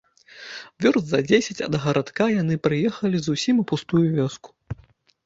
Вёрст за дзесяць ад гарадка яны праехалі зусім пустую вёску.